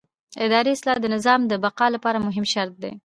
اداري اصلاح د نظام د بقا لپاره مهم شرط دی